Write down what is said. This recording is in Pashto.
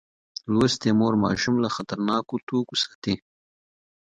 لوستې مور ماشوم له خطرناکو توکو ساتي.